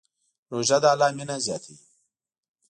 روژه د الله مینه زیاتوي.